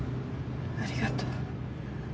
ありがとう。